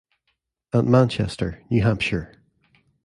And Manchester, New Hampshire.